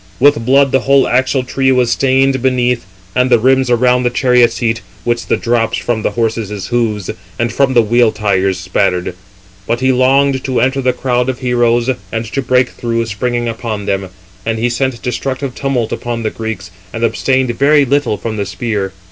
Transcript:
With blood the whole axletree was stained beneath, and the rims around the chariot seat, which the drops from the horses' hoofs, and from the wheel tires, spattered. But he longed to enter the crowd of heroes, and to break through, springing upon them. And he sent destructive tumult upon the Greeks, and abstained very little from the spear.